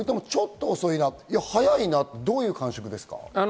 遅いな、早いな、どういう感触ですか？